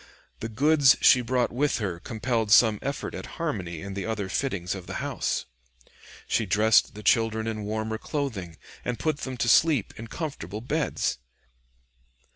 The goods she brought with her compelled some effort at harmony in the other fittings of the house. She dressed the children in warmer clothing and put them to sleep in comfortable beds.